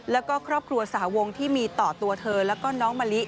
แล้วก็ครอบครัวสาวงที่มีต่อตัวเธอแล้วก็น้องมะลิ